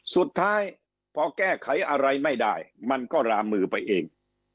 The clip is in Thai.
สุดท้ายพอแก้ไขอะไรไม่ได้มันก็ลามือไปเอง